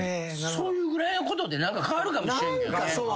そういうぐらいのことで何か変わるかもしれんけどね。